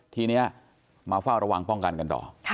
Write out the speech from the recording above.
ทีนี้มาเฝ้าระวังป้องกันกันต่อ